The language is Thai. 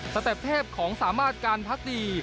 เต็ปเทพของสามารถการพักดี